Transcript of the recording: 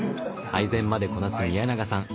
配膳までこなす宮永さん。